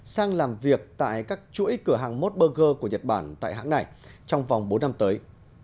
sang làm việc tại các chuỗi cửa hàng mốt burger của nhật bản tại hãng này trong vòng bốn năm tới